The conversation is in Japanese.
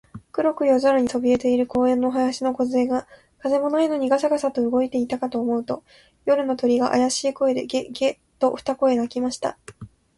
黒く夜空にそびえている公園の林のこずえが、風もないのにガサガサと動いたかと思うと、夜の鳥が、あやしい声で、ゲ、ゲ、と二声鳴きました。